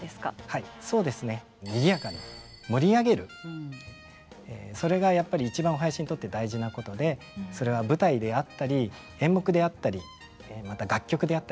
はいそうですね。それがやっぱり一番お囃子にとって大事なことでそれは舞台であったり演目であったりまた楽曲であったり。